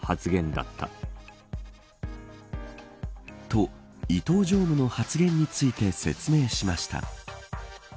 と伊東常務の発言について説明しました。